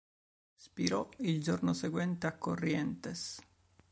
Spirò il giorno seguente a Corrientes.